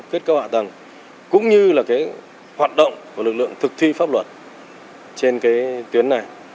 kết cấu hạ tầng cũng như là cái hoạt động của lực lượng thực thi pháp luật trên cái tuyến này